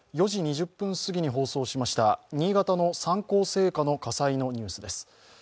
４時２０分過ぎに放送しました新潟の三幸製菓の火災のニュースです。